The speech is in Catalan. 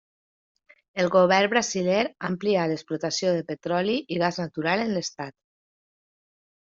El govern brasiler ha ampliat l'explotació de petroli i gas natural en l'estat.